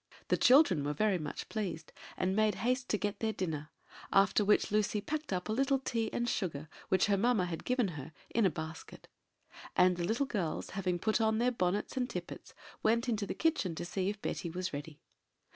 The children were very much pleased, and made haste to get their dinner; after which Lucy packed up a little tea and sugar, which her mamma had given her, in a basket; and the little girls, having put on their bonnets and tippets, went into the kitchen to see if Betty was ready.